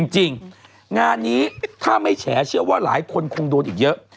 จริงงานนี้ถ้าไม่แฉเชื่อว่าหลายคนคงโดนอีกเยอะ